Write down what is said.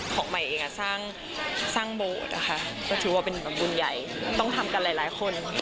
ของใหม่เองสร้างโบสถ์นะคะก็ถือว่าเป็นบุญใหญ่ต้องทำกันหลายคน